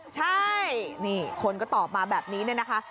ใช่นี่คนก็ตอบมาแบบนี้เนี่ยนะคะ